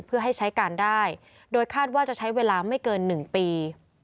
เพื่อให้ใช้การได้โดยคาดว่าจะใช้เวลาไม่เกิน๑ปี